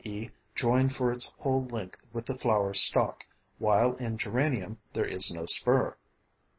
e. joined for its whole length with the flower stalk; while in Geranium there is no spur.